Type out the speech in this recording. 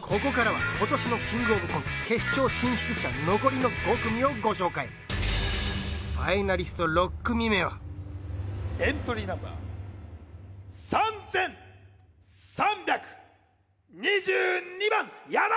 ここからは今年のキングオブコント決勝進出者残りの５組をご紹介エントリーナンバー３３２２番や団！